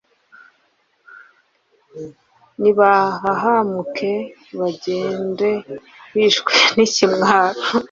nibahahamuke bagende bishwe n’ikimwaro